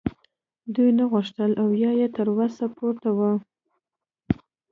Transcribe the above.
دوی نه غوښتل او یا یې له وسه پورته وه